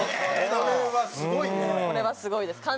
これはすごいです。